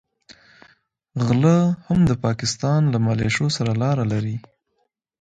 غله هم د پاکستان له مليشو سره لاره لري.